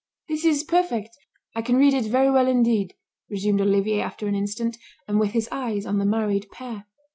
"This is perfect. I can read it very well indeed," resumed Olivier after an instant, and with his eyes on the married pair.